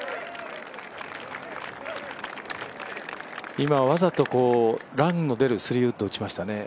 今わざとランの出る３ウッドを打ちましたね。